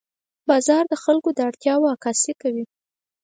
بازار د خلکو د اړتیاوو عکاسي کوي.